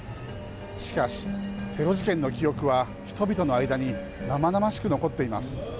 しかし、テロ事件の記憶は人々の間に生々しく残っています。